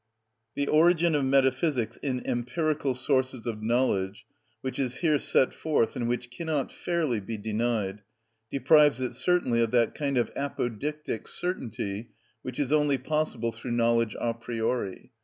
The origin of metaphysics in empirical sources of knowledge, which is here set forth, and which cannot fairly be denied, deprives it certainly of that kind of apodictic certainty which is only possible through knowledge a priori.